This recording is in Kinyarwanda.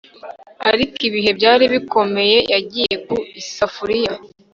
Ariko ibihe byari bikomeye Yagiye ku isafuriya